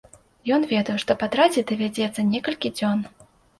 Ён ведаў, што патраціць давядзецца некалькі дзён.